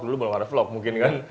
dulu belum ada vlog mungkin kan